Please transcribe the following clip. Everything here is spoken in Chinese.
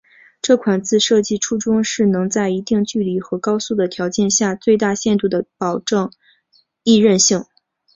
这款字设计初衷是能在一定距离和高速的条件下最大限度地保证易认性。